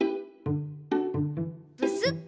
ブスッと！